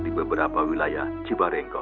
di beberapa wilayah cibarenggok